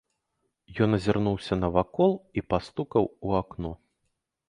Ён азірнуўся навакол і пастукаў у акно.